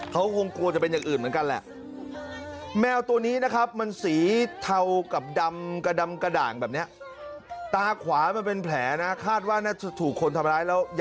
เขาก็ต้องเมลตัวนี้นะครับมันสีเทากับดำกระดำกระด่างแบบเนี่ย